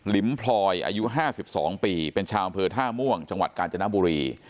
ลิมพลอยอายุ๕๒ปีเป็นชาวอำเภอท่าม่วงจังหวัดกาญจนบุรี